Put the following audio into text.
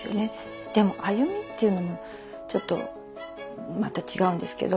でも亜弓っていうのもちょっとまた違うんですけど